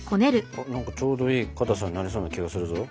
何かちょうどいいかたさになりそうな気がするぞ。